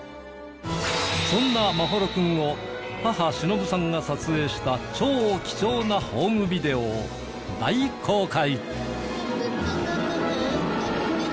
そんな眞秀君を母しのぶさんが撮影した超貴重なホームビデオを大公開！